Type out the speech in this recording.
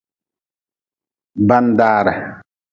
Bandare.